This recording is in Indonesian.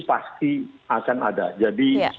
pasti akan ada jadi